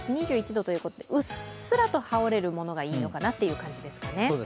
２１度ということでうっすらと羽織れるものがあるといいかなという感じですね。